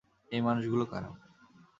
এই মানুষগুলো কারা?